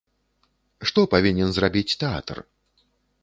Што павінен зрабіць тэатр?